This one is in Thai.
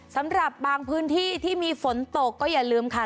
สำหรับบางพื้นที่ที่มีฝนตกก็อย่าลืมค่ะ